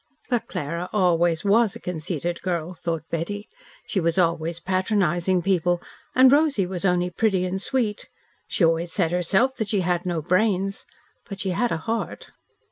"But Clara always was a conceited girl," thought Betty. "She was always patronising people, and Rosy was only pretty and sweet. She always said herself that she had no brains. But she had a heart."